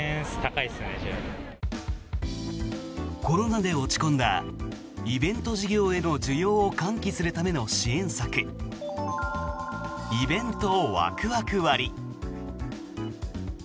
コロナで落ち込んだイベント事業への需要を喚起するための支援策イベントワクワク割。